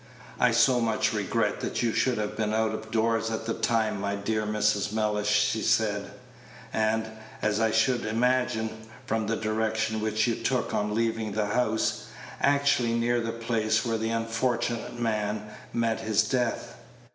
"I so much regret that you should have been out of doors at the time, my dear Mrs. Mellish," she said; "and, as I should imagine, from the direction which you took on leaving the house, actually near the place where the unfortunate man met his death.